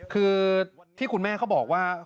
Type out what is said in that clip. คือที่คุณแม่เขาบอกว่า